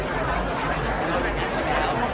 การรับความรักมันเป็นอย่างไร